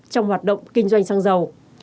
trong hoạt động kinh doanh sang giàu